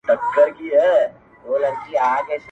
خدای مي تاج وو پر تندي باندي لیکلی؛